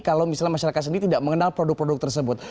kalau misalnya masyarakat sendiri tidak mengenal produk produk tersebut